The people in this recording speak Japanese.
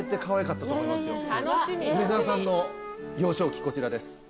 梅澤さんの幼少期こちらです。